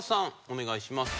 お願いします。